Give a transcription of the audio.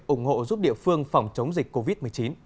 ủng hộ giúp địa phương phòng chống dịch covid một mươi chín